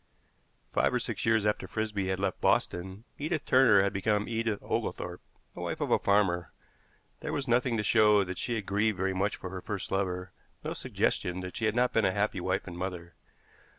Five or six years after Frisby had left Boston, Edith Turner had become Edith Oglethorpe, the wife of a farmer. There was nothing to show that she had grieved very much for her first lover, no suggestion that she had not been a happy wife and mother.